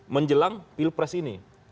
menjelang pilpres ini